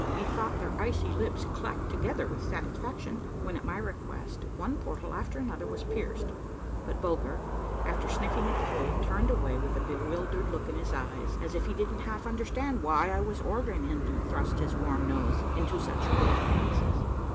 Methouglit their icy lips clacked to gether with satisfaction when, at my request, one portal after 202 A MARVELLOUS UNDERGROUND JOURNEY another was pierced, but Bulger, after sniffing at the hole, turned away with a bewildered look in his eyes as if he didn't half understand why I was ordering him to thrust his warm nose into such cold places.